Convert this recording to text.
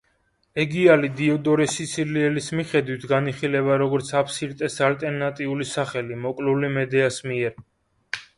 ეგიალი, დიოდორე სიცილიელის მიხედვით, განიხილება როგორც აფსირტეს ალტერნატიული სახელი, მოკლული მედეას მიერ.